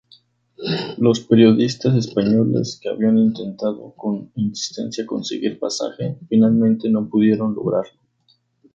Los periodistas españoles, que habían intentado con insistencia conseguir pasaje, finalmente no pudieron lograrlo.